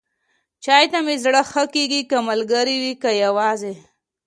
چای ته مې زړه ښه کېږي، که ملګری وي، که یواځې.